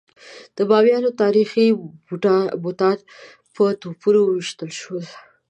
د بامیانو تاریخي بوتان په توپونو وویشتل شول.